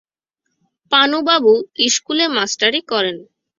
পানুবাবু ইস্কুলে মাস্টারি করেন।